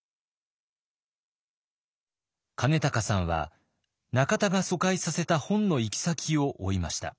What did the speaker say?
金高さんは中田が疎開させた本の行き先を追いました。